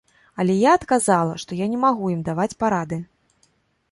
Але я адказала, што я не магу ім даваць парады.